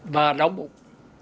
và đóng bụng